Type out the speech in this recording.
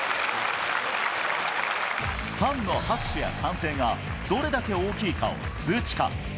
ファンの拍手や歓声が、どれだけ大きいかを数値化。